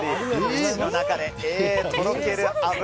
口の中でとろける脂。